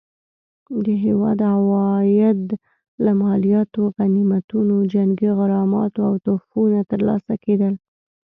د هیواد عواید له مالیاتو، غنیمتونو، جنګي غراماتو او تحفو نه ترلاسه کېدل.